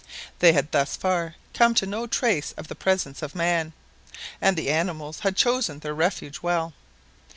They had thus far come to no trace of the presence of man, and the animals had chosen their refuge well.